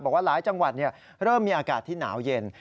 บอกว่าหลายจังหวัดเริ่มมีอากาศที่หนาวเย็น